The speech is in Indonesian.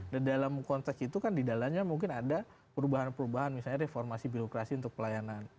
dan dalam konteks itu kan di dalamnya mungkin ada perubahan perubahan misalnya reformasi birokrasi untuk pelayanan